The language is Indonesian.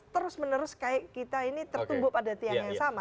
terus menerus kayak kita ini tertumbuh pada tiang yang sama